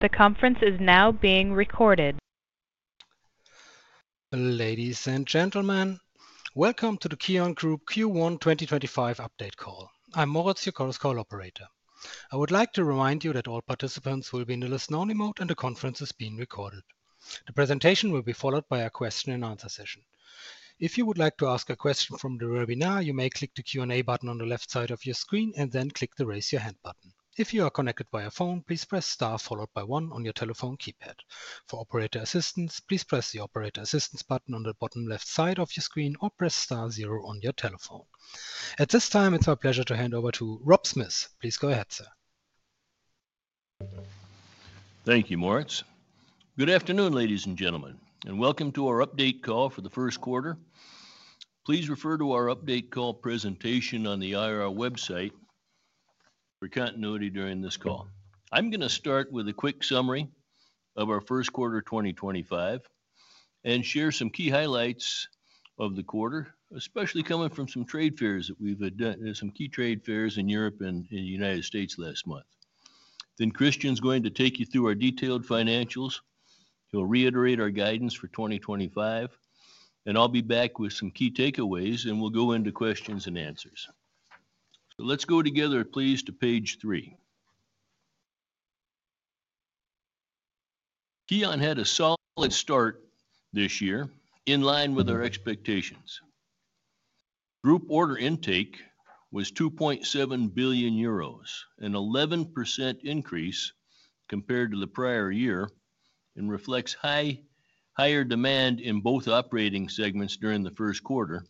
The conference is now being recorded. Ladies and gentlemen, welcome to the KION Group Q1 2025 update call. I'm Moritz, your call operator. I would like to remind you that all participants will be in the listen-only mode and the conference is being recorded. The presentation will be followed by a question-and-answer session. If you would like to ask a question from the webinar, you may click the Q&A button on the left side of your screen and then click the raise your hand button. If you are connected via phone, please press star followed by one on your telephone keypad. For operator assistance, please press the operator assistance button on the bottom left side of your screen or press star zero on your telephone. At this time, it's our pleasure to hand over to Rob Smith. Please go ahead, sir. Thank you, Moritz. Good afternoon, ladies and gentlemen, and welcome to our update call for the first quarter. Please refer to our update call presentation on the IRR website for continuity during this call. I'm going to start with a quick summary of our first quarter 2025 and share some key highlights of the quarter, especially coming from some trade fairs that we've had done, some key trade fairs in Europe and in the United States last month. Christian is going to take you through our detailed financials. He'll reiterate our guidance for 2025, and I'll be back with some key takeaways, and we will go into questions and answers. Let's go together, please, to page three. KION had a solid start this year in line with our expectations. Group order intake was 2.7 billion euros, an 11% increase compared to the prior year, and reflects higher demand in both operating segments during the first quarter,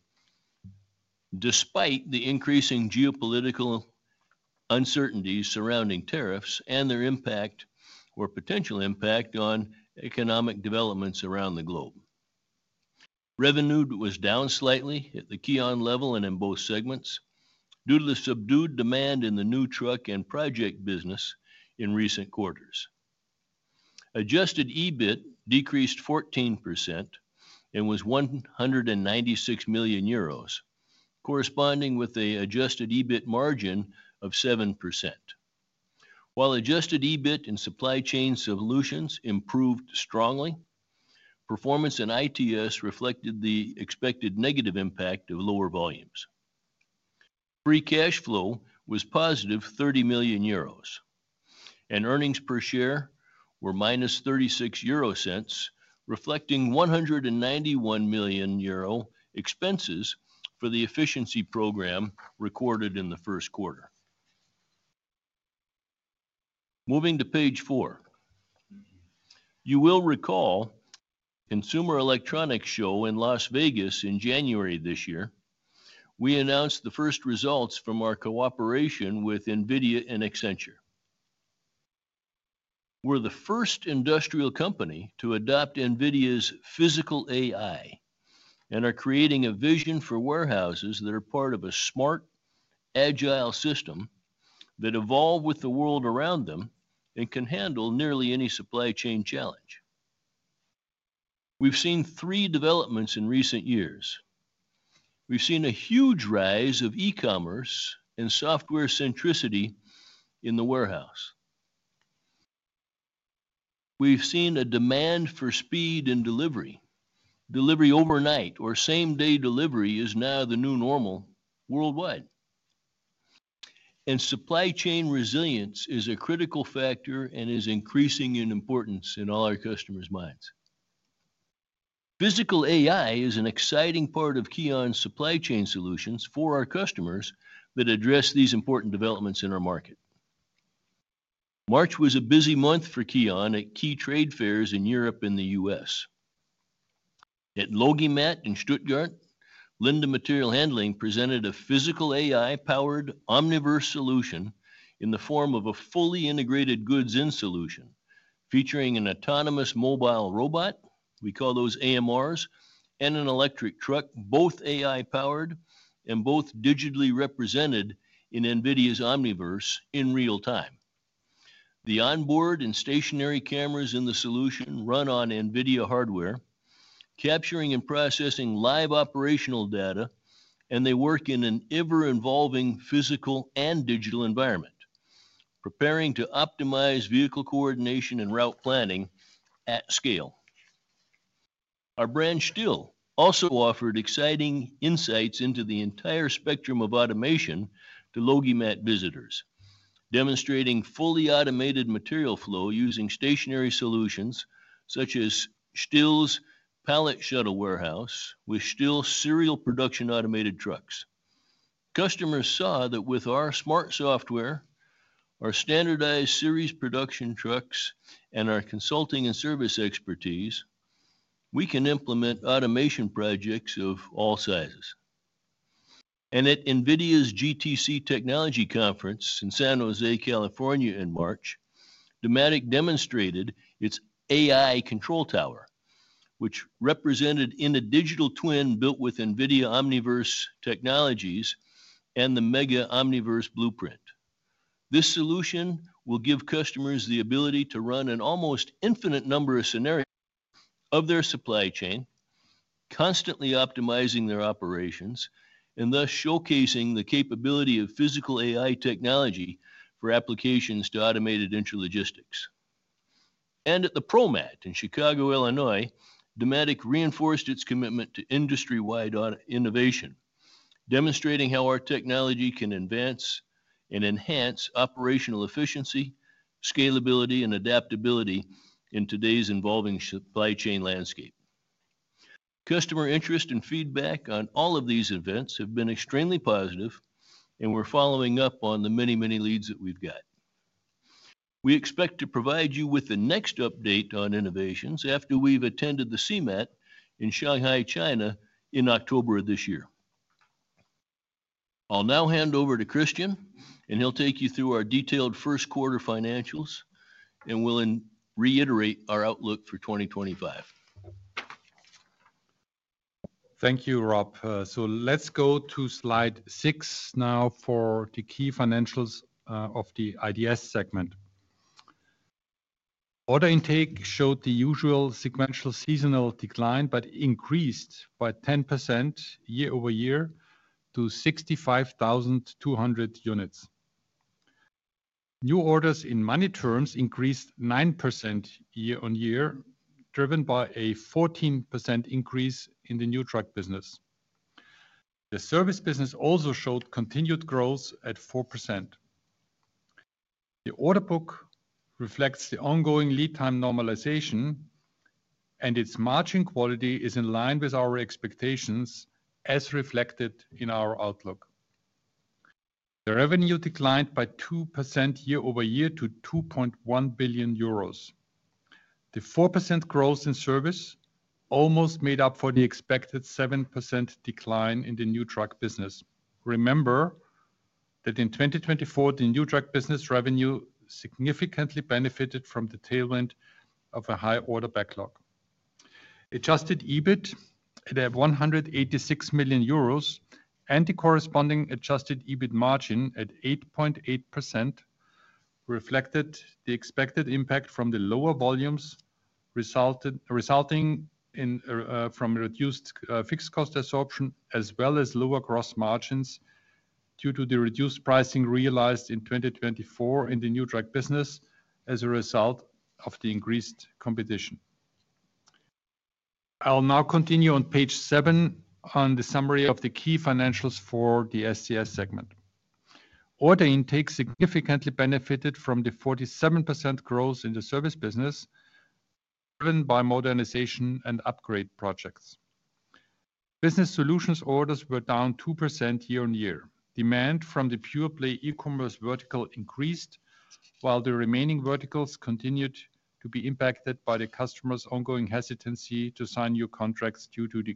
despite the increasing geopolitical uncertainties surrounding tariffs and their impact or potential impact on economic developments around the globe. Revenue was down slightly at the KION level and in both segments due to the subdued demand in the new truck and project business in recent quarters. Adjusted EBIT decreased 14% and was 196 million euros, corresponding with an adjusted EBIT margin of 7%. While adjusted EBIT and Supply Chain Solutions improved strongly, performance in ITS reflected the expected negative impact of lower volumes. Free cash flow was positive 30 million euros, and earnings per share were minus 0.36, reflecting 191 million euro expenses for the efficiency program recorded in the first quarter. Moving to page four, you will recall the Consumer Electronics Show in Las Vegas in January this year. We announced the first results from our cooperation with NVIDIA and Accenture. We're the first industrial company to adopt NVIDIA's physical AI and are creating a vision for warehouses that are part of a smart, agile system that evolve with the world around them and can handle nearly any supply chain challenge. We've seen three developments in recent years. We've seen a huge rise of e-commerce and software centricity in the warehouse. We've seen a demand for speed and delivery. Delivery overnight or same-day delivery is now the new normal worldwide. Supply chain resilience is a critical factor and is increasing in importance in all our customers' minds. Physical AI is an exciting part of KION Group's Supply Chain Solutions for our customers that address these important developments in our market. March was a busy month for KION at key trade fairs in Europe and the U.S. At LogiMAT in Stuttgart, Linde Material Handling presented a physical AI-powered Omniverse solution in the form of a fully integrated goods-in solution featuring an autonomous mobile robot, we call those AMRs, and an electric truck, both AI-powered and both digitally represented in NVIDIA's Omniverse in real time. The onboard and stationary cameras in the solution run on NVIDIA hardware, capturing and processing live operational data, and they work in an ever-evolving physical and digital environment, preparing to optimize vehicle coordination and route planning at scale. Our brand STILL also offered exciting insights into the entire spectrum of automation to LogiMAT visitors, demonstrating fully automated material flow using stationary solutions such as STILL's Pallet Shuttle Warehouse with STILL's serial production automated trucks. Customers saw that with our smart software, our standardized series production trucks, and our consulting and service expertise, we can implement automation projects of all sizes. At NVIDIA's GTC Technology Conference in San Jose, California, in March, Dematic demonstrated its AI Control Tower, which represented a digital twin built with NVIDIA Omniverse technologies and the Mega Omniverse Blueprint. This solution will give customers the ability to run an almost infinite number of scenarios of their supply chain, constantly optimizing their operations, and thus showcasing the capability of physical AI technology for applications to automated intralogistics. At the ProMat in Chicago, Illinois, Dematic reinforced its commitment to industry-wide innovation, demonstrating how our technology can advance and enhance operational efficiency, scalability, and adaptability in today's evolving supply chain landscape. Customer interest and feedback on all of these events have been extremely positive, and we're following up on the many, many leads that we've got. We expect to provide you with the next update on innovations after we've attended the CeMAT in Shanghai, China, in October of this year. I'll now hand over to Christian, and he'll take you through our detailed first quarter financials, and we'll reiterate our outlook for 2025. Thank you, Rob. Let's go to slide six now for the key financials of the IDS segment. Order intake showed the usual sequential seasonal decline, but increased by 10% year over year to 65,200 units. New orders in money terms increased 9% year on year, driven by a 14% increase in the new truck business. The service business also showed continued growth at 4%. The order book reflects the ongoing lead time normalization, and its margin quality is in line with our expectations as reflected in our outlook. The revenue declined by 2% year over year to 2.1 billion euros. The 4% growth in service almost made up for the expected 7% decline in the new truck business. Remember that in 2024, the new truck business revenue significantly benefited from the tailwind of a high order backlog. Adjusted EBIT at 186 million euros and the corresponding adjusted EBIT margin at 8.8% reflected the expected impact from the lower volumes resulting from reduced fixed cost absorption, as well as lower gross margins due to the reduced pricing realized in 2024 in the new truck business as a result of the increased competition. I'll now continue on page seven on the summary of the key financials for the SCS segment. Order intake significantly benefited from the 47% growth in the service business driven by modernization and upgrade projects. Business solutions orders were down 2% year on year. Demand from the pure play e-commerce vertical increased, while the remaining verticals continued to be impacted by the customers' ongoing hesitancy to sign new contracts due to the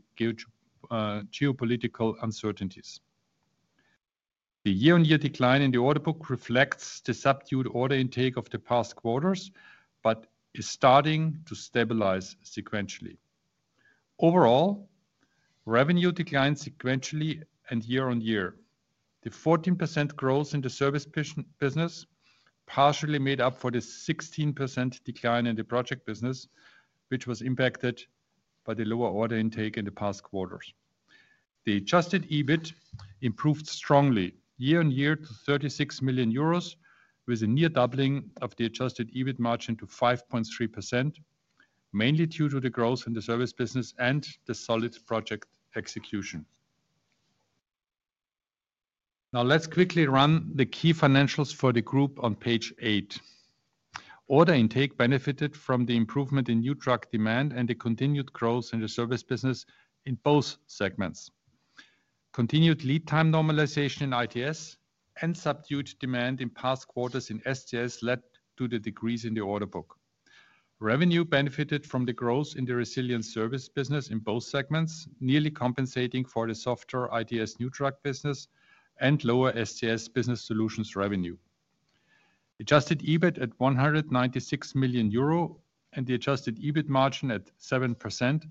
geopolitical uncertainties. The year-on-year decline in the order book reflects the subdued order intake of the past quarters, but is starting to stabilize sequentially. Overall, revenue declined sequentially and year on year. The 14% growth in the service business partially made up for the 16% decline in the project business, which was impacted by the lower order intake in the past quarters. The adjusted EBIT improved strongly year on year to 36 million euros, with a near doubling of the adjusted EBIT margin to 5.3%, mainly due to the growth in the service business and the solid project execution. Now let's quickly run the key financials for the group on page eight. Order intake benefited from the improvement in new truck demand and the continued growth in the service business in both segments. Continued lead time normalization in ITS and subdued demand in past quarters in SCS led to the decrease in the order book. Revenue benefited from the growth in the resilient service business in both segments, nearly compensating for the softer ITS new truck business and lower SCS business solutions revenue. Adjusted EBIT at 196 million euro and the adjusted EBIT margin at 7%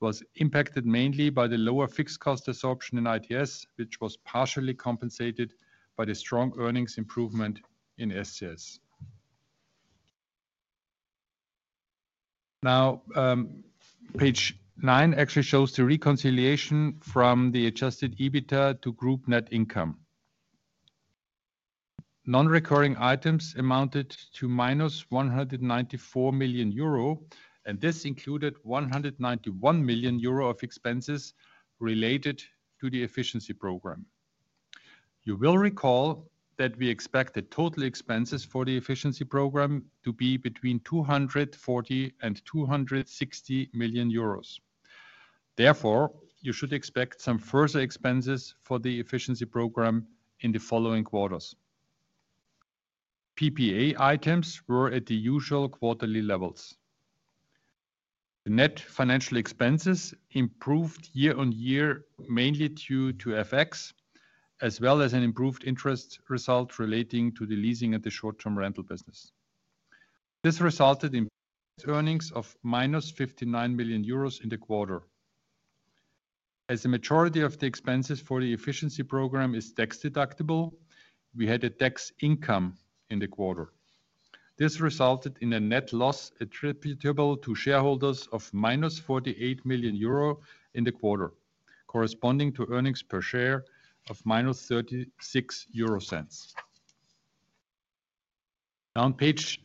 was impacted mainly by the lower fixed cost absorption in ITS, which was partially compensated by the strong earnings improvement in SCS. Now, page nine actually shows the reconciliation from the adjusted EBITDA to group net income. Non-recurring items amounted to minus 194 million euro, and this included 191 million euro of expenses related to the efficiency program. You will recall that we expected total expenses for the efficiency program to be between 240 million and 260 million euros. Therefore, you should expect some further expenses for the efficiency program in the following quarters. PPA items were at the usual quarterly levels. The net financial expenses improved year on year, mainly due to FX, as well as an improved interest result relating to the leasing of the short-term rental business. This resulted in earnings of minus 59 million euros in the quarter. As the majority of the expenses for the efficiency program is tax deductible, we had a tax income in the quarter. This resulted in a net loss attributable to shareholders of minus 48 million euro in the quarter, corresponding to earnings per share of minus 0.36. Now on page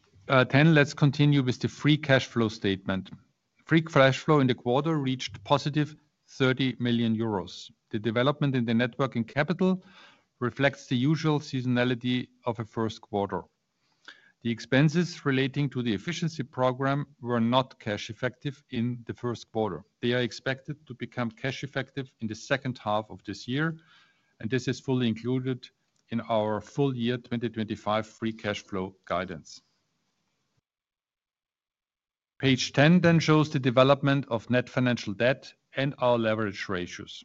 ten, let's continue with the free cash flow statement. Free cash flow in the quarter reached positive 30 million euros. The development in the net working capital reflects the usual seasonality of a first quarter. The expenses relating to the efficiency program were not cash effective in the first quarter. They are expected to become cash effective in the second half of this year, and this is fully included in our full year 2025 free cash flow guidance. Page ten then shows the development of net financial debt and our leverage ratios.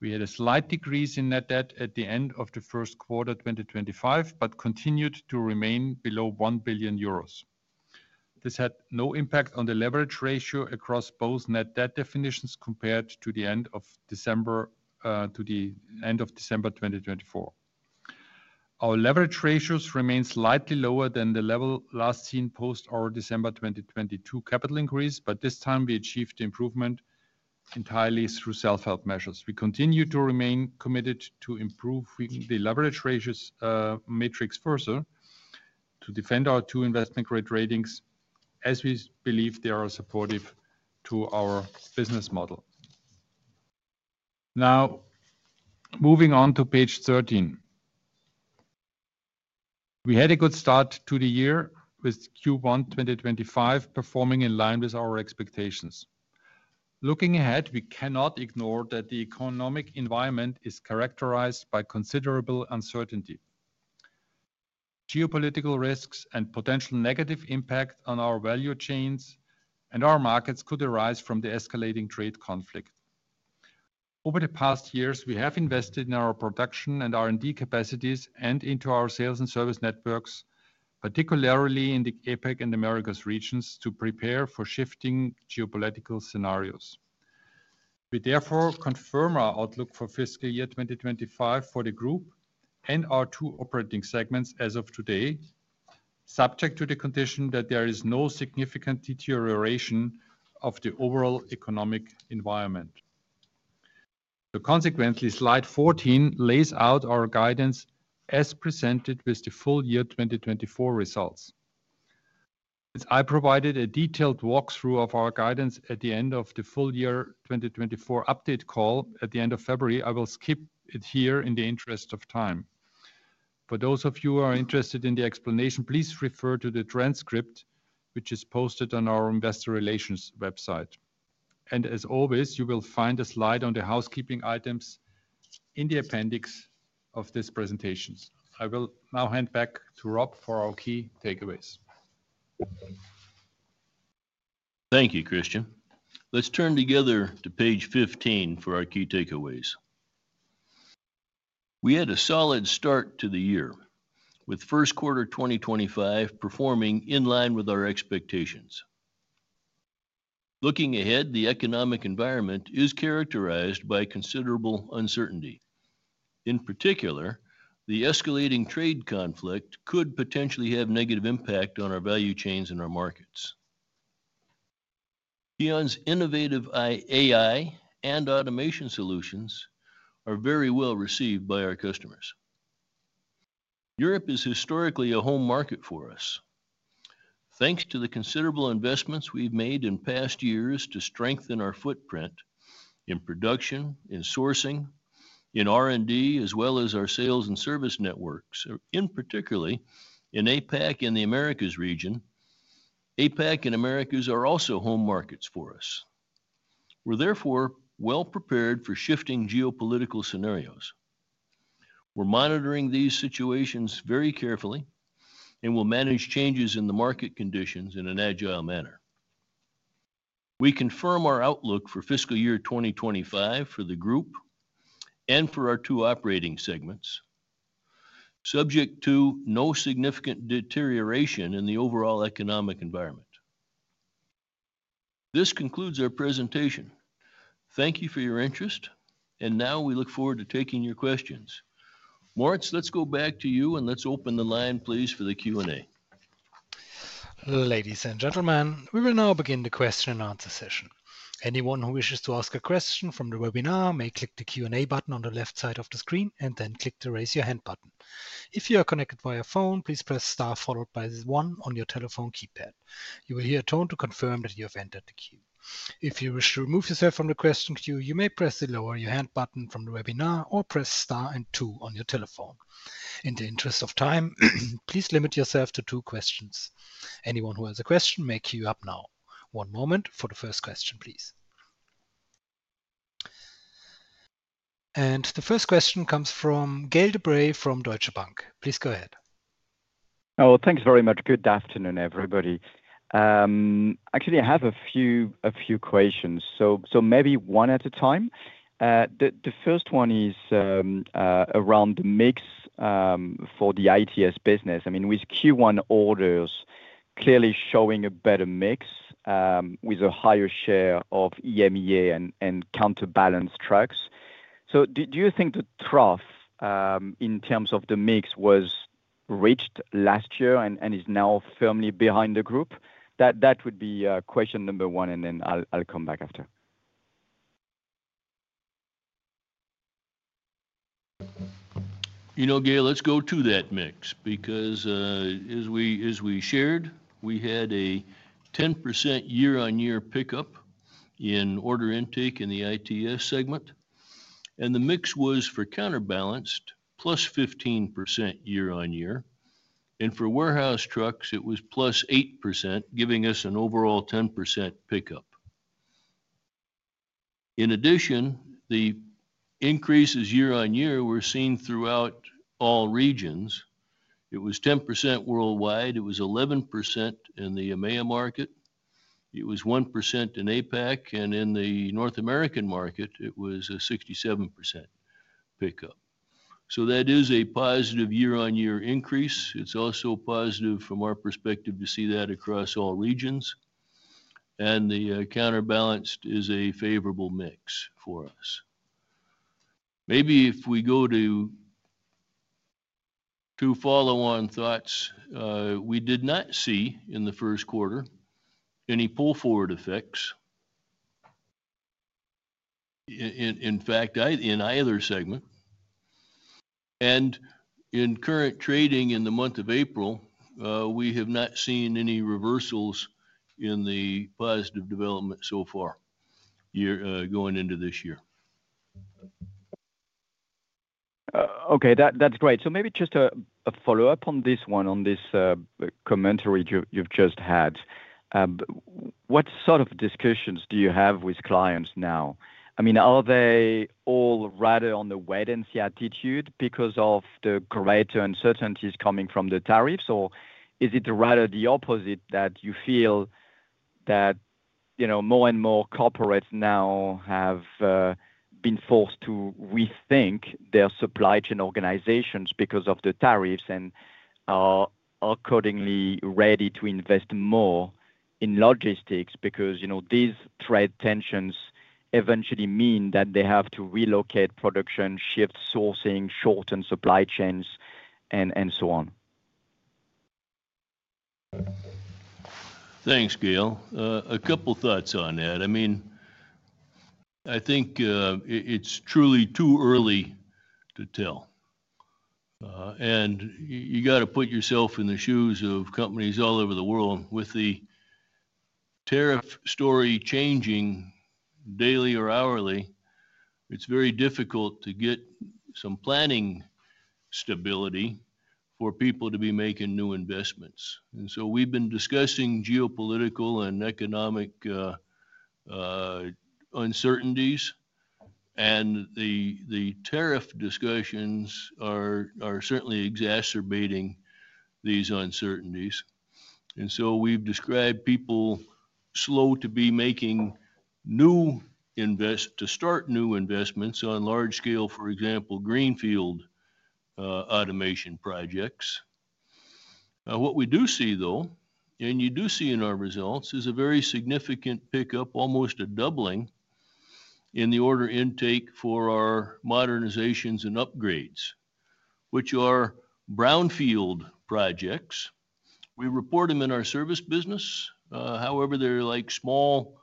We had a slight decrease in net debt at the end of the first quarter 2025, but continued to remain below 1 billion euros. This had no impact on the leverage ratio across both net debt definitions compared to the end of December, to the end of December 2024. Our leverage ratios remain slightly lower than the level last seen post our December 2022 capital increase, but this time we achieved improvement entirely through self-help measures. We continue to remain committed to improving the leverage ratios matrix further to defend our two investment grade ratings as we believe they are supportive to our business model. Now moving on to page 13. We had a good start to the year with Q1 2025 performing in line with our expectations. Looking ahead, we cannot ignore that the economic environment is characterized by considerable uncertainty. Geopolitical risks and potential negative impact on our value chains and our markets could arise from the escalating trade conflict. Over the past years, we have invested in our production and R&D capacities and into our sales and service networks, particularly in the APEC and Americas regions to prepare for shifting geopolitical scenarios. We therefore confirm our outlook for fiscal year 2025 for the group and our two operating segments as of today, subject to the condition that there is no significant deterioration of the overall economic environment. Consequently, slide 14 lays out our guidance as presented with the full year 2024 results. Since I provided a detailed walkthrough of our guidance at the end of the full year 2024 update call at the end of February, I will skip it here in the interest of time. For those of you who are interested in the explanation, please refer to the transcript, which is posted on our investor relations website. As always, you will find a slide on the housekeeping items in the appendix of this presentation. I will now hand back to Rob for our key takeaways. Thank you, Christian. Let's turn together to page 15 for our key takeaways. We had a solid start to the year, with first quarter 2025 performing in line with our expectations. Looking ahead, the economic environment is characterized by considerable uncertainty. In particular, the escalating trade conflict could potentially have negative impact on our value chains and our markets. KION's innovative AI and automation solutions are very well received by our customers. Europe is historically a home market for us. Thanks to the considerable investments we've made in past years to strengthen our footprint in production, in sourcing, in R&D, as well as our sales and service networks, and particularly in APEC and the Americas region, APEC and Americas are also home markets for us. We're therefore well prepared for shifting geopolitical scenarios. We're monitoring these situations very carefully and will manage changes in the market conditions in an agile manner. We confirm our outlook for fiscal year 2025 for the group and for our two operating segments, subject to no significant deterioration in the overall economic environment. This concludes our presentation. Thank you for your interest, and now we look forward to taking your questions. Moritz, let's go back to you and let's open the line, please, for the Q&A. Ladies and gentlemen, we will now begin the question and answer session. Anyone who wishes to ask a question from the webinar may click the Q&A button on the left side of the screen and then click the raise your hand button. If you are connected via phone, please press star followed by one on your telephone keypad. You will hear a tone to confirm that you have entered the queue. If you wish to remove yourself from the question queue, you may press the lower your hand button from the webinar or press star and two on your telephone. In the interest of time, please limit yourself to two questions. Anyone who has a question may queue up now. One moment for the first question, please. The first question comes from Gael De Bray from Deutsche Bank. Please go ahead. Oh, thanks very much. Good afternoon, everybody. Actually, I have a few questions. Maybe one at a time. The first one is around the mix for the ITS business. I mean, with Q1 orders clearly showing a better mix with a higher share of EMEA and counterbalance trucks. Do you think the trough in terms of the mix was reached last year and is now firmly behind the group? That would be question number one, and then I'll come back after. You know, Gail, let's go to that mix, because as we shared, we had a 10% year-on-year pickup in order intake in the ITS segment, and the mix was for counterbalance plus 15% year-on-year. For warehouse trucks, it was plus 8%, giving us an overall 10% pickup. In addition, the increases year-on-year were seen throughout all regions. It was 10% worldwide. It was 11% in the EMEA market. It was 1% in APEC, and in the North American market, it was a 67% pickup. That is a positive year-on-year increase. It's also positive from our perspective to see that across all regions. The counterbalance is a favorable mix for us. Maybe if we go to two follow-on thoughts, we did not see in the first quarter any pull forward effects, in fact, in either segment. In current trading in the month of April, we have not seen any reversals in the positive development so far going into this year. Okay, that's great. Maybe just a follow-up on this one, on this commentary you've just had. What sort of discussions do you have with clients now? I mean, are they all rather on the wait-and-see attitude because of the greater uncertainties coming from the tariffs, or is it rather the opposite that you feel that more and more corporates now have been forced to rethink their supply chain organizations because of the tariffs and are accordingly ready to invest more in logistics because these trade tensions eventually mean that they have to relocate production, shift sourcing, shorten supply chains, and so on? Thanks, Gail. A couple of thoughts on that. I mean, I think it's truly too early to tell. You got to put yourself in the shoes of companies all over the world. With the tariff story changing daily or hourly, it's very difficult to get some planning stability for people to be making new investments. We have been discussing geopolitical and economic uncertainties, and the tariff discussions are certainly exacerbating these uncertainties. We have described people slow to be making new invest to start new investments on large scale, for example, greenfield automation projects. What we do see, though, and you do see in our results, is a very significant pickup, almost a doubling in the order intake for our modernizations and upgrades, which are brownfield projects. We report them in our service business. However, they're like small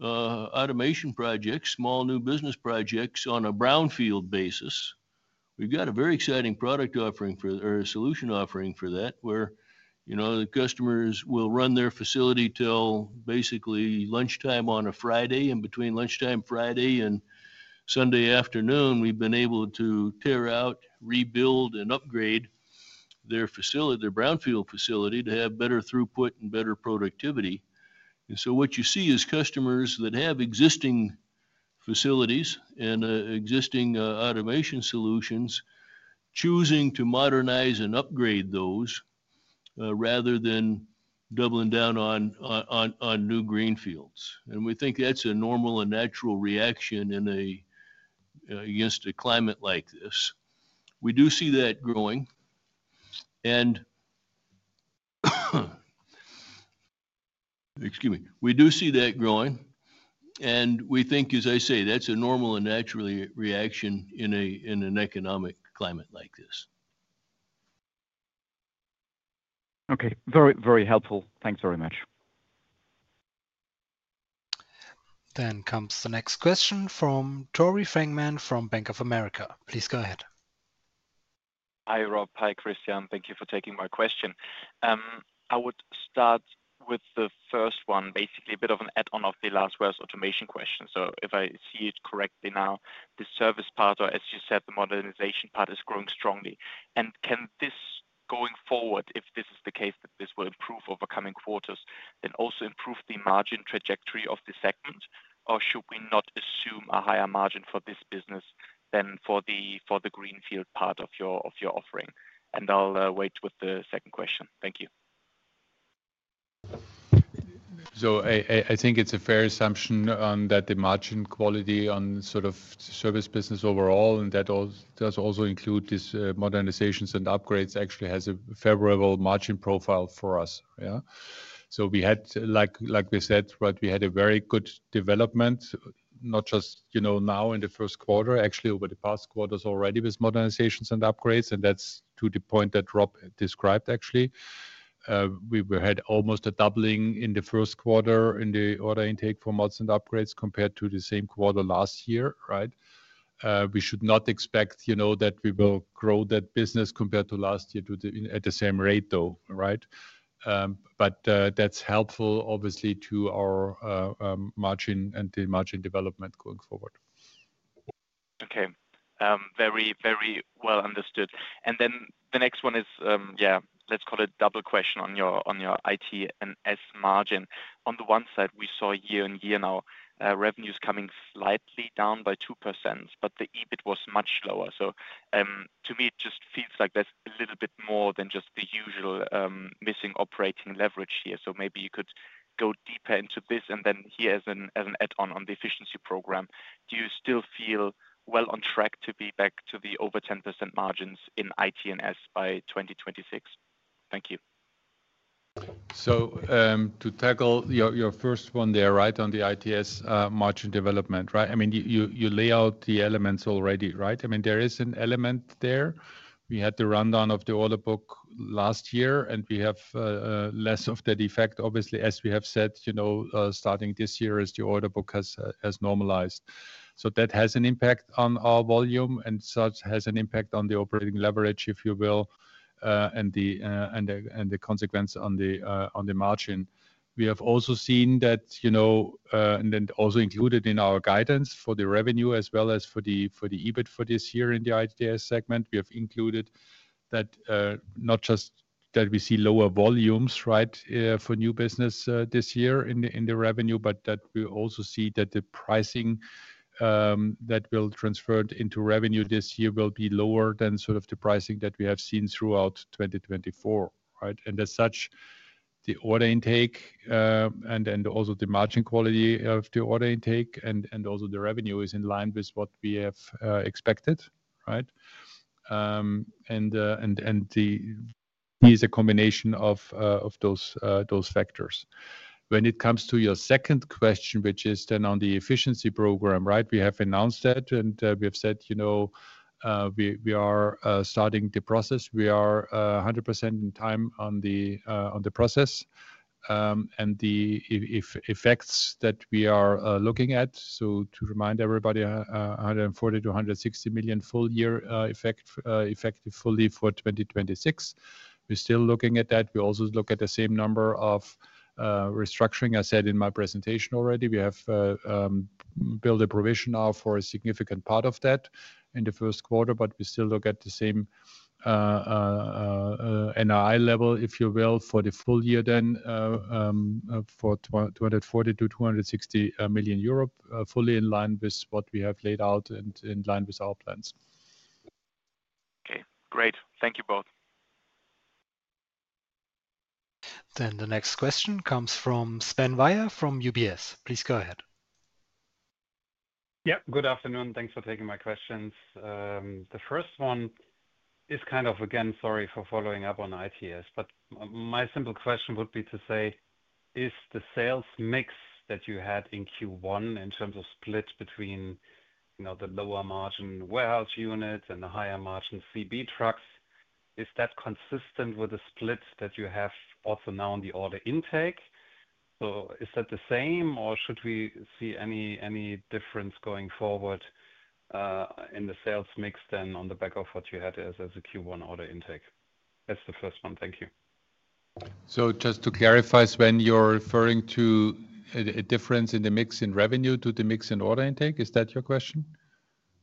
automation projects, small new business projects on a brownfield basis. We've got a very exciting product offering for or a solution offering for that, where the customers will run their facility till basically lunchtime on a Friday. Between lunchtime Friday and Sunday afternoon, we've been able to tear out, rebuild, and upgrade their facility, their brownfield facility, to have better throughput and better productivity. What you see is customers that have existing facilities and existing automation solutions choosing to modernize and upgrade those rather than doubling down on new greenfields. We think that's a normal and natural reaction against a climate like this. We do see that growing. Excuse me, we do see that growing. We think, as I say, that's a normal and natural reaction in an economic climate like this. Okay, very, very helpful. Thanks very much. The next question comes from Tore Fangmann from Bank of America. Please go ahead. Hi, Rob. Hi, Christian. Thank you for taking my question. I would start with the first one, basically a bit of an add-on of the last Wells automation question. If I see it correctly now, the service part, or as you said, the modernization part is growing strongly. Can this going forward, if this is the case, that this will improve over coming quarters, then also improve the margin trajectory of the segment, or should we not assume a higher margin for this business than for the greenfield part of your offering? I'll wait with the second question. Thank you. I think it's a fair assumption that the margin quality on sort of service business overall, and that does also include these modernizations and upgrades, actually has a favorable margin profile for us. Yeah. We had, like we said, right, we had a very good development, not just now in the first quarter, actually over the past quarters already with modernizations and upgrades. That's to the point that Rob described, actually. We had almost a doubling in the first quarter in the order intake for mods and upgrades compared to the same quarter last year, right? We should not expect that we will grow that business compared to last year at the same rate, though, right? That's helpful, obviously, to our margin and the margin development going forward. Okay, very, very well understood. The next one is, yeah, let's call it double question on your IT and S margin. On the one side, we saw year-on-year now revenues coming slightly down by 2%, but the EBIT was much lower. To me, it just feels like there's a little bit more than just the usual missing operating leverage here. Maybe you could go deeper into this. Here as an add-on on the efficiency program, do you still feel well on track to be back to the over 10% margins in IT and S by 2026? Thank you. To tackle your first one there, right, on the ITS margin development, right? I mean, you lay out the elements already, right? I mean, there is an element there. We had the rundown of the order book last year, and we have less of that effect, obviously, as we have said, starting this year as the order book has normalized. That has an impact on our volume and such has an impact on the operating leverage, if you will, and the consequence on the margin. We have also seen that, and then also included in our guidance for the revenue as well as for the EBIT for this year in the ITS segment, we have included that not just that we see lower volumes, right, for new business this year in the revenue, but that we also see that the pricing that will transfer into revenue this year will be lower than sort of the pricing that we have seen throughout 2024, right? As such, the order intake and then also the margin quality of the order intake and also the revenue is in line with what we have expected, right? It is a combination of those factors. When it comes to your second question, which is then on the efficiency program, right, we have announced that and we have said we are starting the process. We are 100% in time on the process and the effects that we are looking at. To remind everybody, 140 million-160 million full year effective fully for 2026. We're still looking at that. We also look at the same number of restructuring. I said in my presentation already, we have built a provision now for a significant part of that in the first quarter, but we still look at the same NRI level, if you will, for the full year then for 240 million-260 million euro, fully in line with what we have laid out and in line with our plans. Okay, great. Thank you both. The next question comes from Sven Weier from UBS. Please go ahead. Yeah, good afternoon. Thanks for taking my questions. The first one is kind of, again, sorry for following up on ITS, but my simple question would be to say, is the sales mix that you had in Q1 in terms of split between the lower margin warehouse units and the higher margin CB trucks, is that consistent with the split that you have also now on the order intake? Is that the same, or should we see any difference going forward in the sales mix then on the back of what you had as a Q1 order intake? That's the first one. Thank you. Just to clarify, Sven, you're referring to a difference in the mix in revenue to the mix in order intake. Is that your question?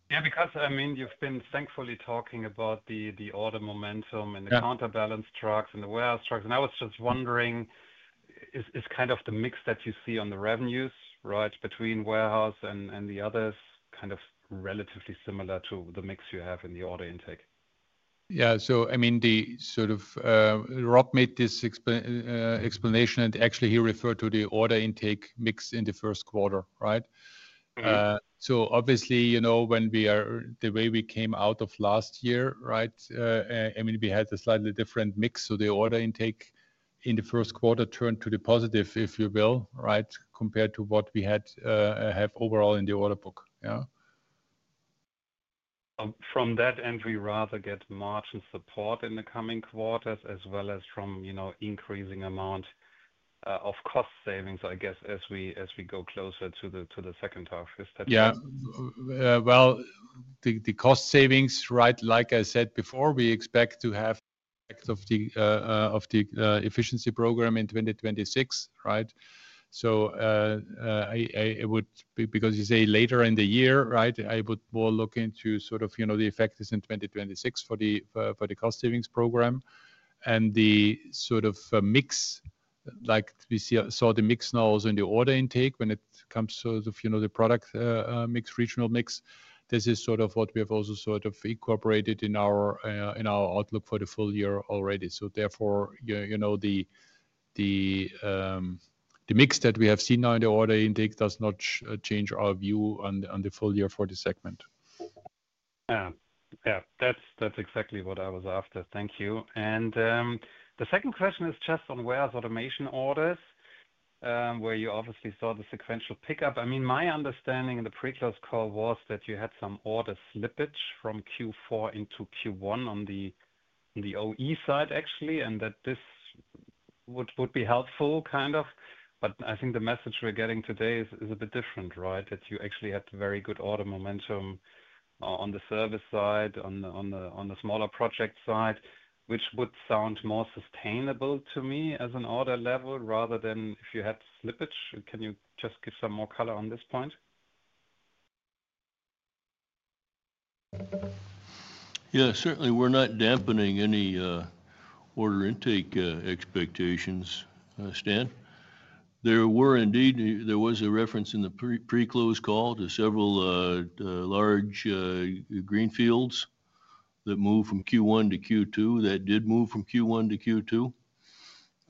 Yeah, because I mean, you've been thankfully talking about the order momentum and the counterbalance trucks and the warehouse trucks. I was just wondering, is kind of the mix that you see on the revenues, right, between warehouse and the others kind of relatively similar to the mix you have in the order intake? Yeah, so I mean, the sort of Rob made this explanation, and actually he referred to the order intake mix in the first quarter, right? So obviously, you know when we are the way we came out of last year, right? I mean, we had a slightly different mix. So the order intake in the first quarter turned to the positive, if you will, right, compared to what we have overall in the order book, yeah? From that end, we rather get margin support in the coming quarters as well as from increasing amount of cost savings, I guess, as we go closer to the second half. Is that right? Yeah, the cost savings, right, like I said before, we expect to have effect of the efficiency program in 2026, right? I would, because you say later in the year, right, I would more look into sort of the effect is in 2026 for the cost savings program and the sort of mix, like we saw the mix now also in the order intake when it comes to the product mix, regional mix. This is sort of what we have also sort of incorporated in our outlook for the full year already. Therefore, the mix that we have seen now in the order intake does not change our view on the full year for the segment. Yeah, that's exactly what I was after. Thank you. The second question is just on warehouse automation orders, where you obviously saw the sequential pickup. I mean, my understanding in the pre-close call was that you had some order slippage from Q4 into Q1 on the OE side, actually, and that this would be helpful kind of. I think the message we're getting today is a bit different, right, that you actually had very good order momentum on the service side, on the smaller project side, which would sound more sustainable to me as an order level rather than if you had slippage. Can you just give some more color on this point? Yeah, certainly, we're not dampening any order intake expectations, Sven. There was indeed, there was a reference in the pre-close call to several large greenfields that moved from Q1 to Q2. That did move from Q1 to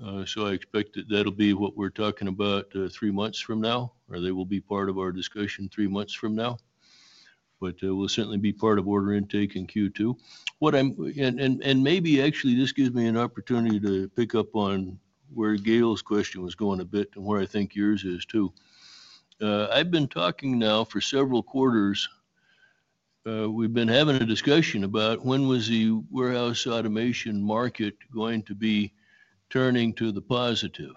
Q2. I expect that that'll be what we're talking about three months from now, or they will be part of our discussion three months from now. It will certainly be part of order intake in Q2. Maybe actually this gives me an opportunity to pick up on where Gail's question was going a bit and where I think yours is too. I've been talking now for several quarters. We've been having a discussion about when was the warehouse automation market going to be turning to the positive.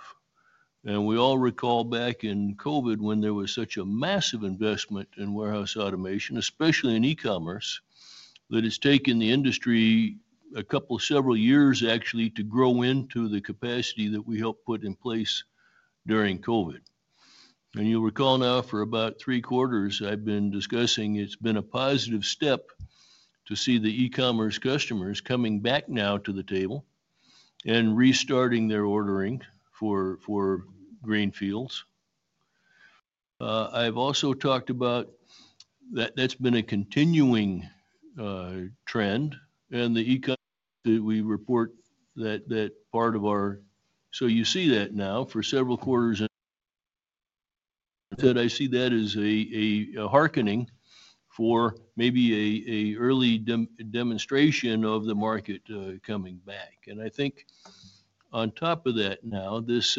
We all recall back in COVID when there was such a massive investment in warehouse automation, especially in e-commerce, that has taken the industry a couple, several years, actually, to grow into the capacity that we helped put in place during COVID. You'll recall now for about three quarters, I've been discussing it's been a positive step to see the e-commerce customers coming back now to the table and restarting their ordering for greenfields. I've also talked about that that's been a continuing trend. The e-commerce that we report that part of our so you see that now for several quarters. I said I see that as a hearkening for maybe an early demonstration of the market coming back. I think on top of that now, this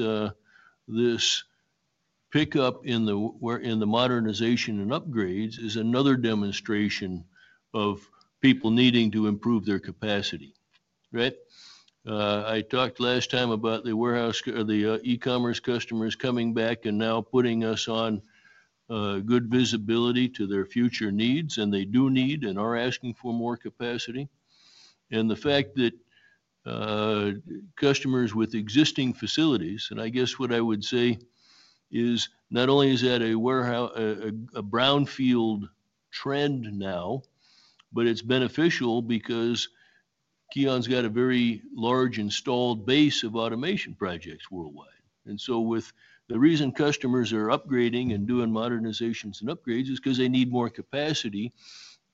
pickup in the modernization and upgrades is another demonstration of people needing to improve their capacity, right? I talked last time about the warehouse or the e-commerce customers coming back and now putting us on good visibility to their future needs, and they do need and are asking for more capacity. The fact that customers with existing facilities, and I guess what I would say is not only is that a brownfield trend now, but it's beneficial because KION's got a very large installed base of automation projects worldwide. The reason customers are upgrading and doing modernizations and upgrades is because they need more capacity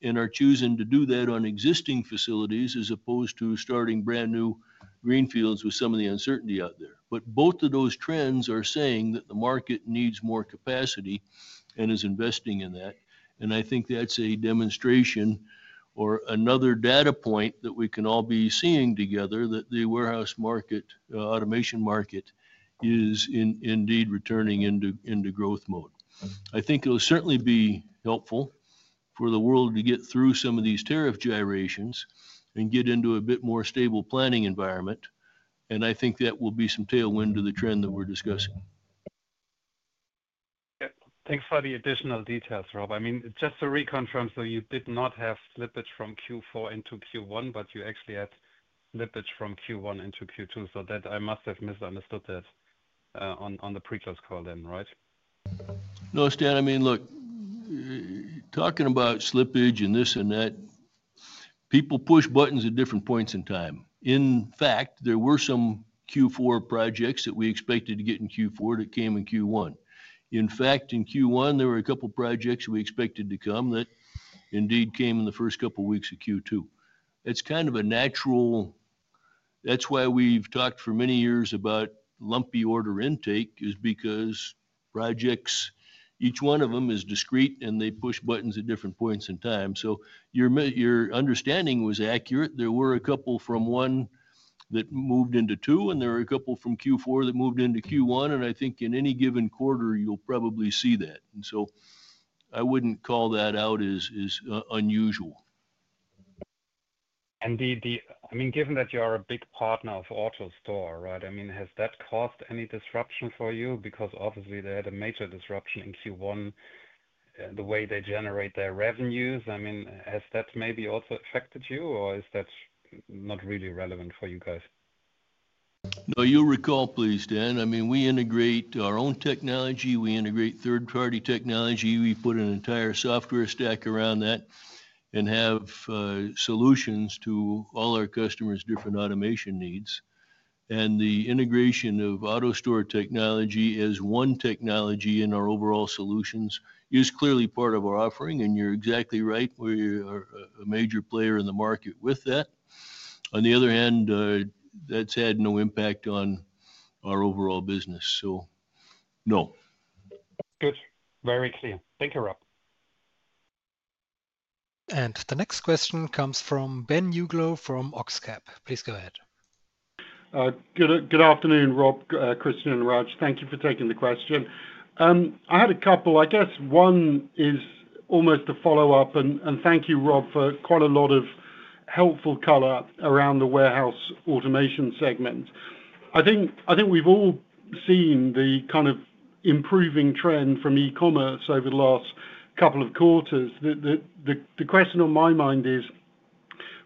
and are choosing to do that on existing facilities as opposed to starting brand new greenfields with some of the uncertainty out there. Both of those trends are saying that the market needs more capacity and is investing in that. I think that's a demonstration or another data point that we can all be seeing together that the warehouse market, automation market, is indeed returning into growth mode. It will certainly be helpful for the world to get through some of these tariff gyrations and get into a bit more stable planning environment. I think that will be some tailwind to the trend that we're discussing. Yeah, thanks for the additional details, Rob. I mean, just to reconfirm, you did not have slippage from Q4 into Q1, but you actually had slippage from Q1 into Q2. I must have misunderstood that on the pre-close call then, right? No, Sven, I mean, look, talking about slippage and this and that, people push buttons at different points in time. In fact, there were some Q4 projects that we expected to get in Q4 that came in Q1. In fact, in Q1, there were a couple of projects we expected to come that indeed came in the first couple of weeks of Q2. It's kind of a natural, that's why we've talked for many years about lumpy order intake is because projects, each one of them is discrete and they push buttons at different points in time. Your understanding was accurate. There were a couple from one that moved into two, and there were a couple from Q4 that moved into Q1. I think in any given quarter, you'll probably see that. I wouldn't call that out as unusual. I mean, given that you are a big partner of AutoStore, right, I mean, has that caused any disruption for you? Because obviously they had a major disruption in Q1, the way they generate their revenues. I mean, has that maybe also affected you or is that not really relevant for you guys? No, you'll recall, please, Sven. I mean, we integrate our own technology. We integrate third-party technology. We put an entire software stack around that and have solutions to all our customers' different automation needs. The integration of AutoStore technology as one technology in our overall solutions is clearly part of our offering. You're exactly right. We are a major player in the market with that. On the other hand, that's had no impact on our overall business. No. Good. Very clear. Thank you, Rob. The next question comes from Ben Uglow from OxCap. Please go ahead. Good afternoon, Rob, Christian and Raj. Thank you for taking the question. I had a couple. I guess one is almost a follow-up. Thank you, Rob, for quite a lot of helpful color around the warehouse automation segment. I think we've all seen the kind of improving trend from e-commerce over the last couple of quarters. The question on my mind is,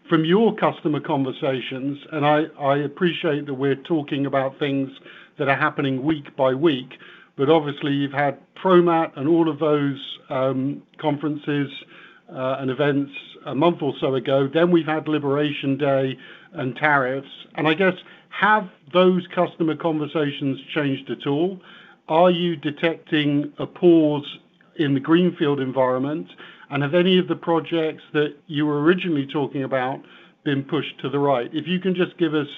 from your customer conversations, and I appreciate that we're talking about things that are happening week by week, but obviously you've had ProMat and all of those conferences and events a month or so ago. We have had Liberation Day and tariffs. I guess, have those customer conversations changed at all? Are you detecting a pause in the greenfield environment? Have any of the projects that you were originally talking about been pushed to the right? If you can just give us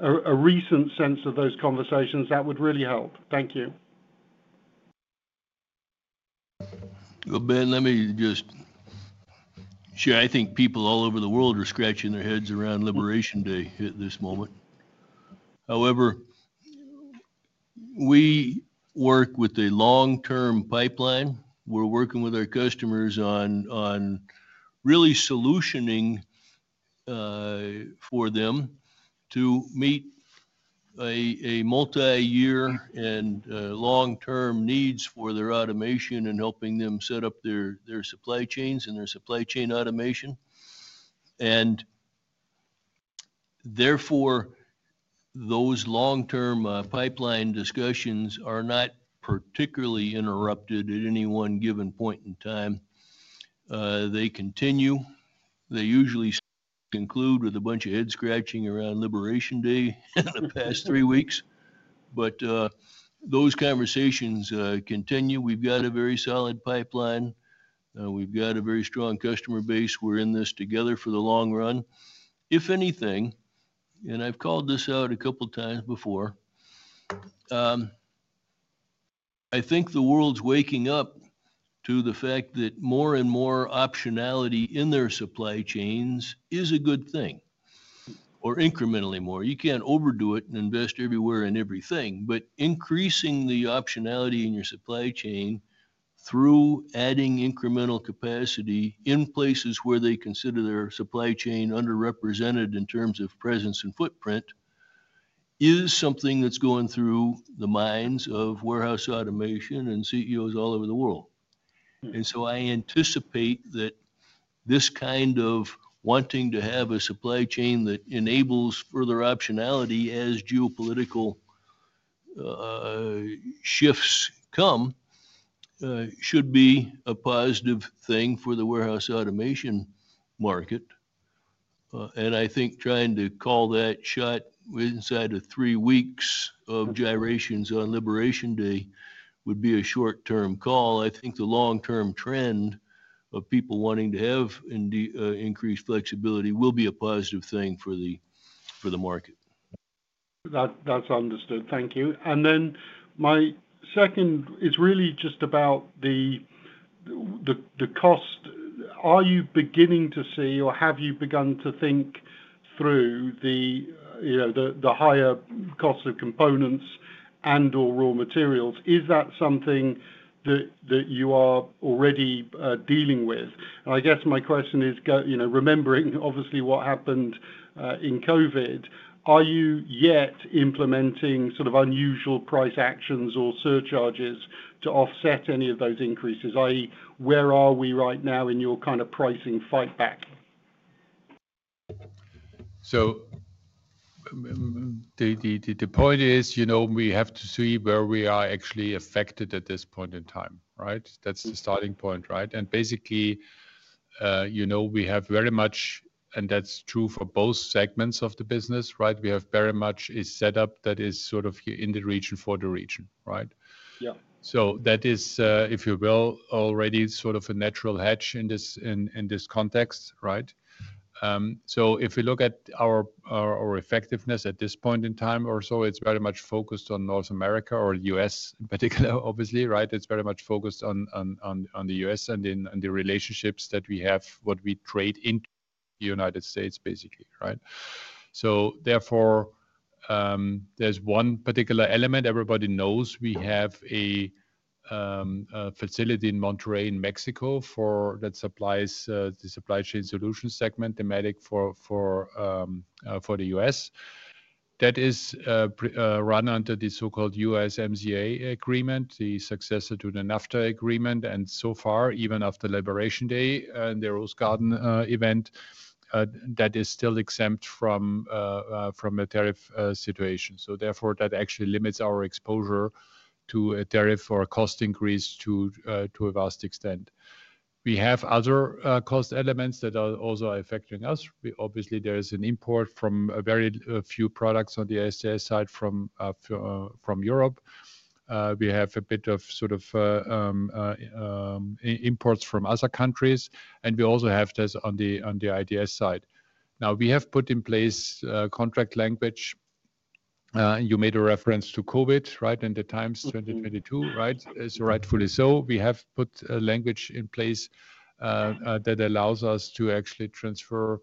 a recent sense of those conversations, that would really help. Thank you. Ben, let me just share. I think people all over the world are scratching their heads around Liberation Day at this moment. However, we work with a long-term pipeline. We're working with our customers on really solutioning for them to meet a multi-year and long-term needs for their automation and helping them set up their supply chains and their supply chain automation. Therefore, those long-term pipeline discussions are not particularly interrupted at any one given point in time. They continue. They usually conclude with a bunch of head scratching around Liberation Day in the past three weeks. Those conversations continue. We've got a very solid pipeline. We've got a very strong customer base. We're in this together for the long run. If anything, and I've called this out a couple of times before, I think the world's waking up to the fact that more and more optionality in their supply chains is a good thing, or incrementally more. You can't overdo it and invest everywhere in everything, but increasing the optionality in your supply chain through adding incremental capacity in places where they consider their supply chain underrepresented in terms of presence and footprint is something that's going through the minds of warehouse automation and CEOs all over the world. I anticipate that this kind of wanting to have a supply chain that enables further optionality as geopolitical shifts come should be a positive thing for the warehouse automation market. I think trying to call that shot inside of three weeks of gyrations on Liberation Day would be a short-term call. I think the long-term trend of people wanting to have increased flexibility will be a positive thing for the market. That's understood. Thank you. My second is really just about the cost. Are you beginning to see or have you begun to think through the higher cost of components and/or raw materials? Is that something that you are already dealing with? I guess my question is, remembering obviously what happened in COVID, are you yet implementing sort of unusual price actions or surcharges to offset any of those increases? I.e., where are we right now in your kind of pricing fight back? The point is, you know, we have to see where we are actually affected at this point in time, right? That is the starting point, right? Basically, you know, we have very much, and that is true for both segments of the business, right? We have very much a setup that is sort of in the region for the region, right? Yeah. That is, if you will, already sort of a natural hatch in this context, right? If we look at our effectiveness at this point in time or so, it's very much focused on North America or the U.S. in particular, obviously, right? It's very much focused on the U.S. and the relationships that we have, what we trade into the United States, basically, right? Therefore, there's one particular element everybody knows. We have a facility in Monterrey, in Mexico, that supplies the supply chain solution segment, Dematic, for the U.S. That is run under the so-called USMCA agreement, the successor to the NAFTA agreement. So far, even after Liberation Day and the Rose Garden event, that is still exempt from a tariff situation. Therefore, that actually limits our exposure to a tariff or a cost increase to a vast extent. We have other cost elements that are also affecting us. Obviously, there is an import from a very few products on the ISDS side from Europe. We have a bit of sort of imports from other countries. We also have this on the IDS side. We have put in place contract language. You made a reference to COVID, right? And the times 2022, right? It's rightfully so. We have put a language in place that allows us to actually transfer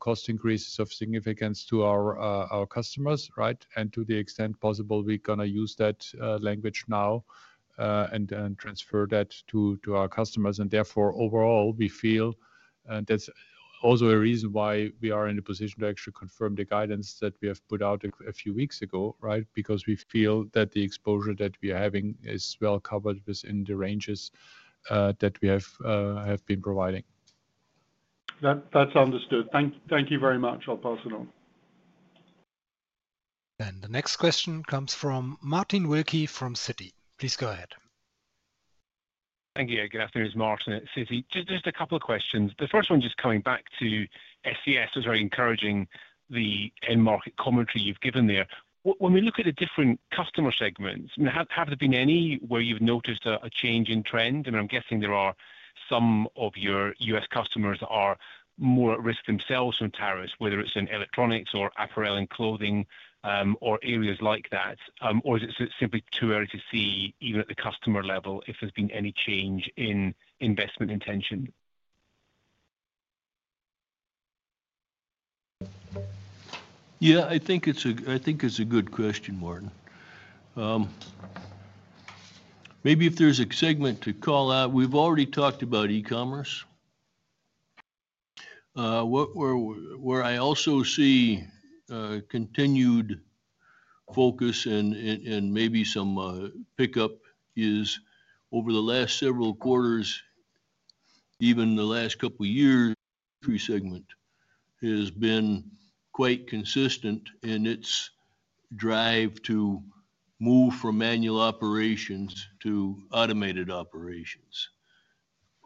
cost increases of significance to our customers, right? To the extent possible, we're going to use that language now and transfer that to our customers. Therefore, overall, we feel that's also a reason why we are in a position to actually confirm the guidance that we have put out a few weeks ago, right? Because we feel that the exposure that we are having is well covered within the ranges that we have been providing. That's understood. Thank you very much, Rob Smith. The next question comes from Martin Wilkie from Citi. Please go ahead. Thank you. Good afternoon, Martin at Citi. Just a couple of questions. The first one, just coming back to SES, was very encouraging, the end market commentary you've given there. When we look at the different customer segments, have there been any where you've noticed a change in trend? I mean, I'm guessing there are some of your U.S. customers that are more at risk themselves from tariffs, whether it's in electronics or apparel and clothing or areas like that. I mean, is it simply too early to see, even at the customer level, if there's been any change in investment intention? Yeah, I think it's a good question, Martin. Maybe if there's a segment to call out, we've already talked about e-commerce. Where I also see continued focus and maybe some pickup is over the last several quarters, even the last couple of years, the industry segment has been quite consistent in its drive to move from manual operations to automated operations.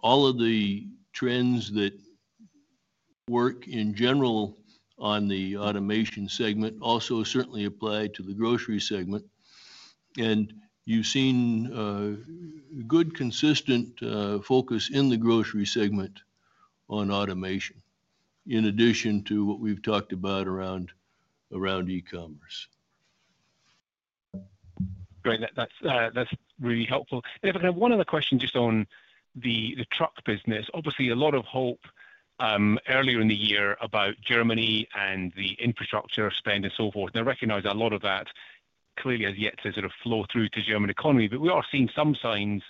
All of the trends that work in general on the automation segment also certainly apply to the grocery segment. You've seen good consistent focus in the grocery segment on automation, in addition to what we've talked about around e-commerce. Great. That's really helpful. If I can have one other question just on the truck business. Obviously, a lot of hope earlier in the year about Germany and the infrastructure spend and so forth. I recognize a lot of that clearly has yet to sort of flow through to the German economy. We are seeing some signs,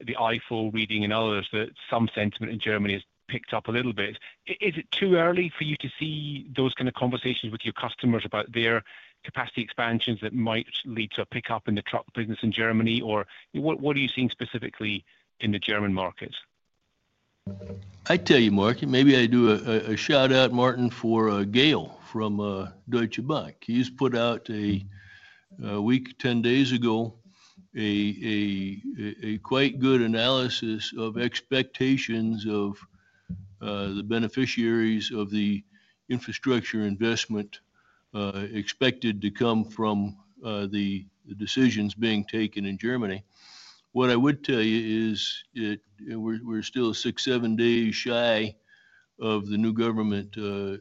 the IFO reading and others, that some sentiment in Germany has picked up a little bit. Is it too early for you to see those kind of conversations with your customers about their capacity expansions that might lead to a pickup in the truck business in Germany? What are you seeing specifically in the German market? I'd tell you, Mark, and maybe I do a shout-out, Martin, for Gail from Deutsche Bank. He's put out a week, 10 days ago, a quite good analysis of expectations of the beneficiaries of the infrastructure investment expected to come from the decisions being taken in Germany. What I would tell you is we're still six, seven days shy of the new government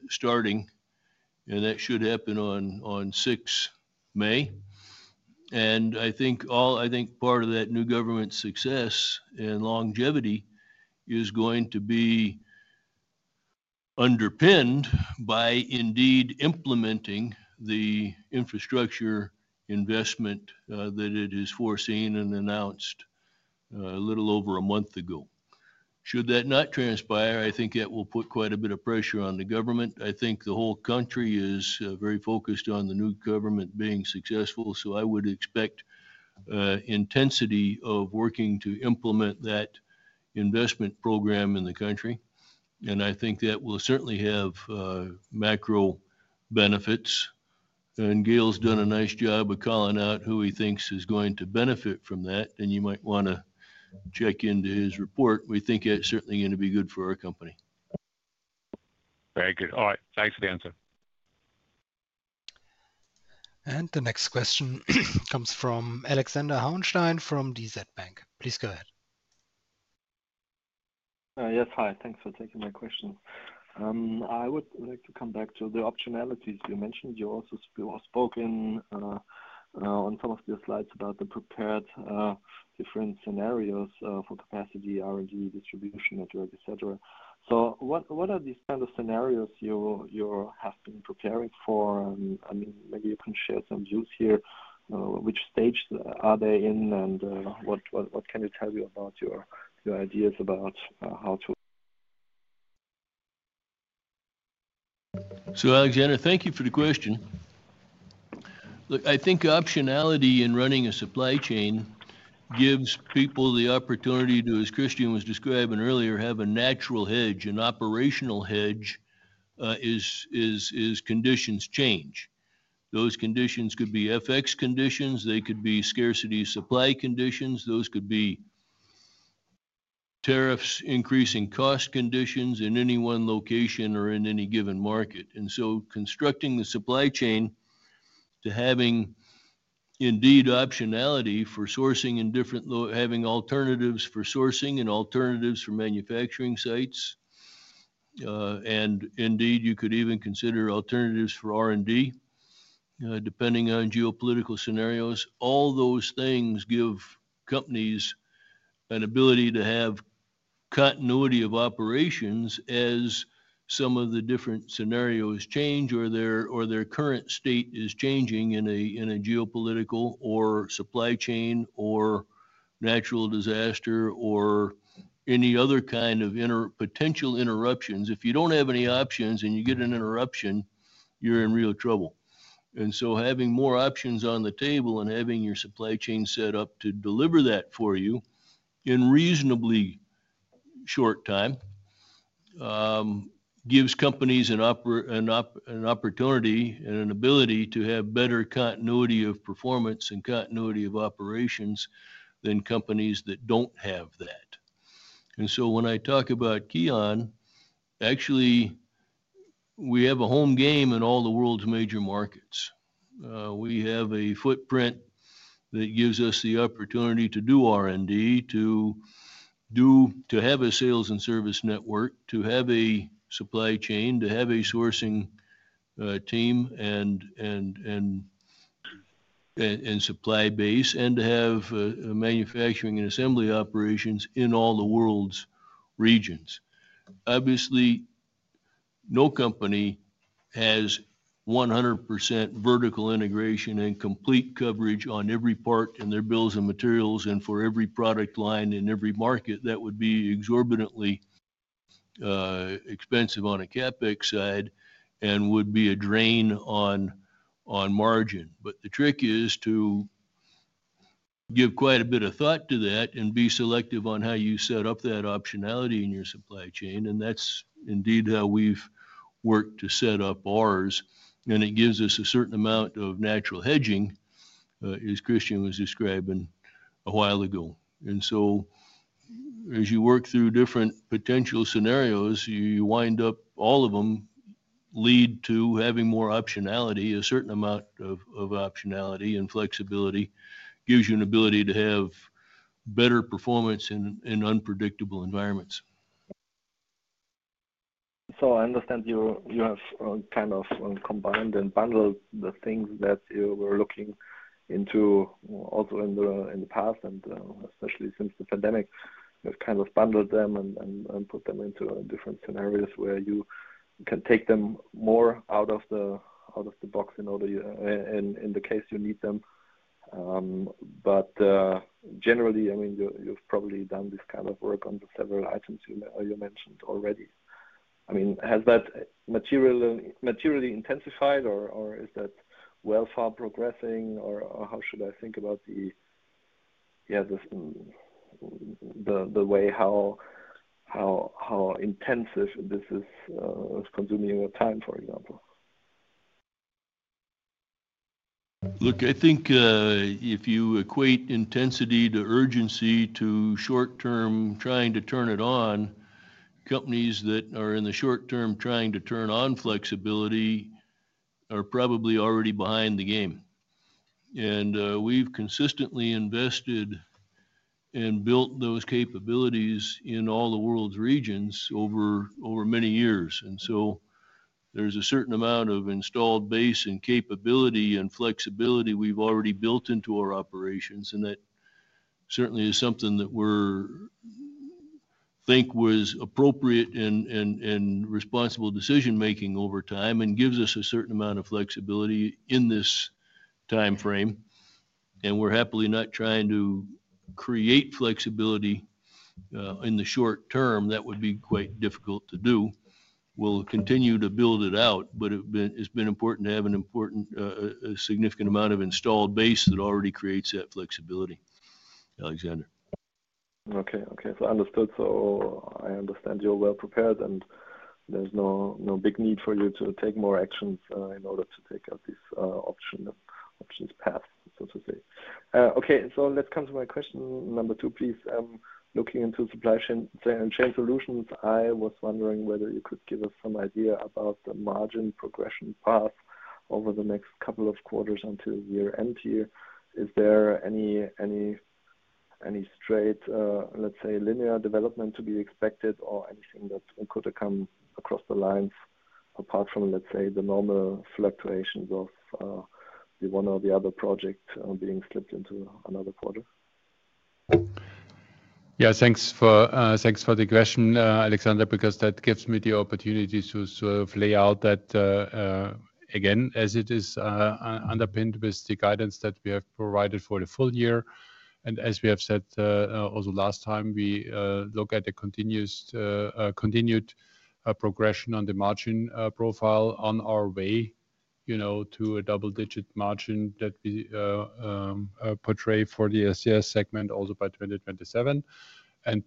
starting, and that should happen on 6 May. I think part of that new government success and longevity is going to be underpinned by indeed implementing the infrastructure investment that it has foreseen and announced a little over a month ago. Should that not transpire, I think it will put quite a bit of pressure on the government. I think the whole country is very focused on the new government being successful. I would expect intensity of working to implement that investment program in the country. I think that will certainly have macro benefits. Gail's done a nice job of calling out who he thinks is going to benefit from that. You might want to check into his report. We think it's certainly going to be good for our company. Very good. All right. Thanks for the answer. The next question comes from Alexander Hauenstein from DZ Bank. Please go ahead. Yes. Hi. Thanks for taking my question. I would like to come back to the optionalities you mentioned. You also spoke on some of your slides about the prepared different scenarios for capacity, R&D, distribution, network, etc. What are these kind of scenarios you have been preparing for? Maybe you can share some views here. Which stage are they in? What can you tell me about your ideas about how to? Alexander, thank you for the question. I think optionality in running a supply chain gives people the opportunity to, as Christian was describing earlier, have a natural hedge, an operational hedge as conditions change. Those conditions could be FX conditions. They could be scarcity supply conditions. Those could be tariffs, increasing cost conditions in any one location or in any given market. Constructing the supply chain to having indeed optionality for sourcing and different having alternatives for sourcing and alternatives for manufacturing sites. Indeed, you could even consider alternatives for R&D depending on geopolitical scenarios. All those things give companies an ability to have continuity of operations as some of the different scenarios change or their current state is changing in a geopolitical or supply chain or natural disaster or any other kind of potential interruptions. If you do not have any options and you get an interruption, you are in real trouble. Having more options on the table and having your supply chain set up to deliver that for you in reasonably short time gives companies an opportunity and an ability to have better continuity of performance and continuity of operations than companies that do not have that. When I talk about KION, actually, we have a home game in all the world's major markets. We have a footprint that gives us the opportunity to do R&D, to have a sales and service network, to have a supply chain, to have a sourcing team and supply base, and to have manufacturing and assembly operations in all the world's regions. Obviously, no company has 100% vertical integration and complete coverage on every part in their bills and materials and for every product line in every market. That would be exorbitantly expensive on a CapEx side and would be a drain on margin. The trick is to give quite a bit of thought to that and be selective on how you set up that optionality in your supply chain. That is indeed how we have worked to set up ours. It gives us a certain amount of natural hedging, as Christian was describing a while ago. As you work through different potential scenarios, you wind up all of them lead to having more optionality. A certain amount of optionality and flexibility gives you an ability to have better performance in unpredictable environments. I understand you have kind of combined and bundled the things that you were looking into also in the past. Especially since the pandemic, you've kind of bundled them and put them into different scenarios where you can take them more out of the box in the case you need them. Generally, I mean, you've probably done this kind of work on several items you mentioned already. I mean, has that materially intensified, or is that well far progressing? Or how should I think about the way how intensive this is consuming your time, for example? Look, I think if you equate intensity to urgency to short-term trying to turn it on, companies that are in the short-term trying to turn on flexibility are probably already behind the game. We've consistently invested and built those capabilities in all the world's regions over many years. There is a certain amount of installed base and capability and flexibility we've already built into our operations. That certainly is something that we think was appropriate in responsible decision-making over time and gives us a certain amount of flexibility in this time frame. We're happily not trying to create flexibility in the short term. That would be quite difficult to do. We'll continue to build it out. It has been important to have a significant amount of installed base that already creates that flexibility, Alexander. Okay. Okay. I understood. I understand you're well prepared, and there's no big need for you to take more actions in order to take up this option path, so to say. Okay. Let's come to my question number two, please. Looking into supply chain solutions, I was wondering whether you could give us some idea about the margin progression path over the next couple of quarters until year end here. Is there any straight, let's say, linear development to be expected or anything that could come across the lines apart from, let's say, the normal fluctuations of one or the other project being slipped into another quarter? Yeah. Thanks for the question, Alexander, because that gives me the opportunity to sort of lay out that again, as it is underpinned with the guidance that we have provided for the full year. As we have said also last time, we look at a continued progression on the margin profile on our way to a double-digit margin that we portray for the SES segment also by 2027.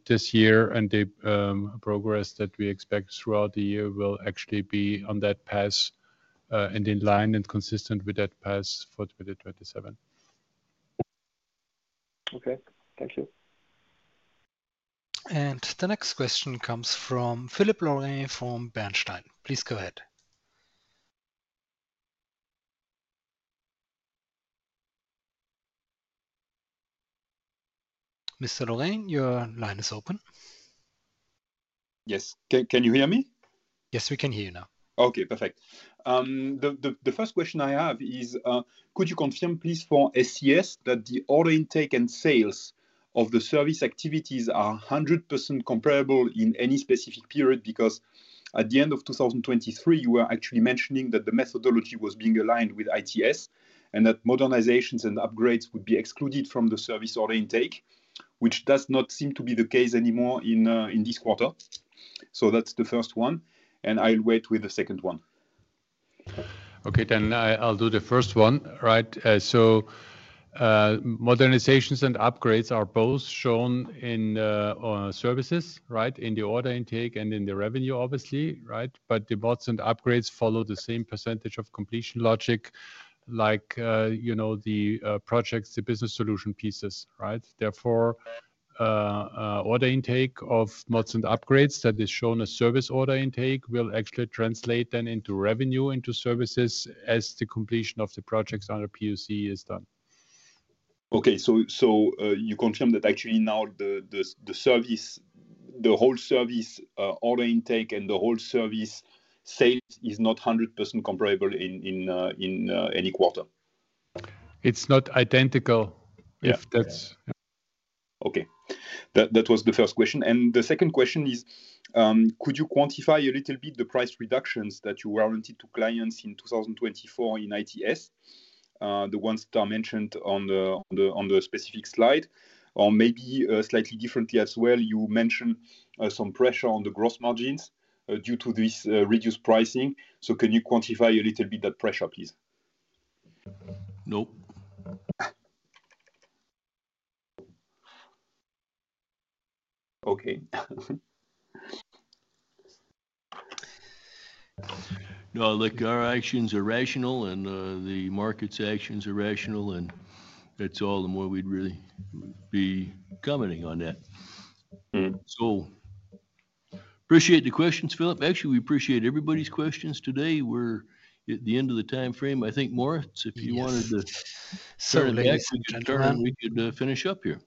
This year, the progress that we expect throughout the year will actually be on that path and in line and consistent with that path for 2027. Okay. Thank you. The next question comes from Philippe Lorrain from Bernstein. Please go ahead. Mr. Lorrain, your line is open. Yes. Can you hear me? Yes, we can hear you now. Okay. Perfect. The first question I have is, could you confirm, please, for SES that the order intake and sales of the service activities are 100% comparable in any specific period? Because at the end of 2023, you were actually mentioning that the methodology was being aligned with ITS and that modernizations and upgrades would be excluded from the service order intake, which does not seem to be the case anymore in this quarter. That is the first one. I will wait with the second one. Okay. I will do the first one, right? Modernizations and upgrades are both shown in services, right, in the order intake and in the revenue, obviously, right? The mods and upgrades follow the same percentage of completion logic like the projects, the business solution pieces, right? Therefore, order intake of mods and upgrades that is shown as service order intake will actually translate then into revenue, into services as the completion of the projects under POC is done. Okay. You confirm that actually now the whole service order intake and the whole service sales is not 100% comparable in any quarter? It's not identical if that's. Okay. That was the first question. The second question is, could you quantify a little bit the price reductions that you warranted to clients in 2024 in ITS, the ones that are mentioned on the specific slide? Or maybe slightly differently as well, you mentioned some pressure on the gross margins due to this reduced pricing. Can you quantify a little bit that pressure, please? No. Okay. Look, our actions are rational, and the market's actions are rational, and that's all the more we'd really be commenting on that. Actually, we appreciate everybody's questions today. We're at the end of the time frame, I think, Moritz, if you wanted to. Certainly. Say the next thing and we could finish up here.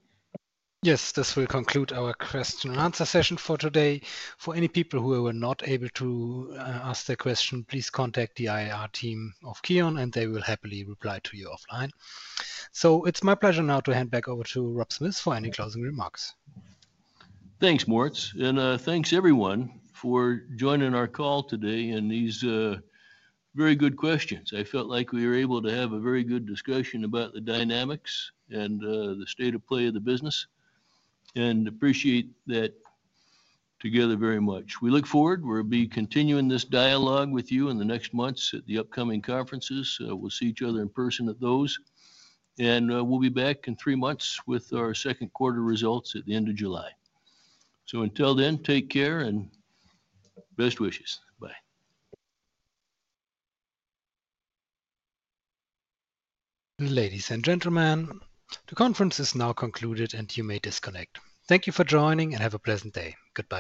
Yes. This will conclude our question and answer session for today. For any people who were not able to ask their question, please contact the IR team of KION, and they will happily reply to you offline. It is my pleasure now to hand back over to Rob Smith for any closing remarks. Thanks, Moritz. Thanks everyone for joining our call today and these very good questions. I felt like we were able to have a very good discussion about the dynamics and the state of play of the business. I appreciate that together very much. We look forward. We'll be continuing this dialogue with you in the next months at the upcoming conferences. We'll see each other in person at those. We'll be back in three months with our second quarter results at the end of July. Until then, take care and best wishes. Bye. Ladies and gentlemen, the conference is now concluded, and you may disconnect. Thank you for joining, and have a pleasant day. Goodbye.